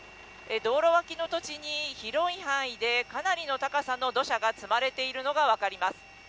道路脇の土地に、広い範囲でかなりの高さの土砂が積まれているのが分かります。